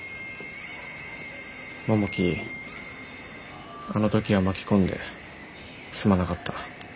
桃木あの時は巻き込んですまなかった。